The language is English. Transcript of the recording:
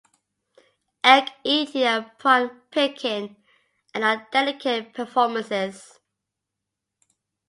Egg-eating and prawn-picking are not delicate performances.